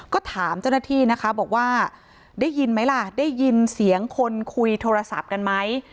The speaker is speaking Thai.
ก็ถามเจ้าหน้าที่นะคะบอกว่าได้ยินไหมล่ะได้ยินเสียงคนคุยโทรศัพท์กันไหม